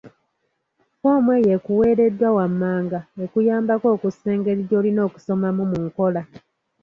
Ffoomu eyo ekuweereddwa wammanga ekuyambako okussa engeri gy'olina okusomamu mu nkola.